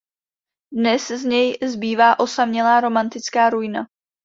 Dnes z něj zbývá osamělá romantická ruina.